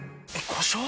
故障？